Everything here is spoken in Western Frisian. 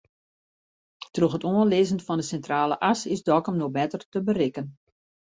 Troch it oanlizzen fan de Sintrale As is Dokkum no better te berikken.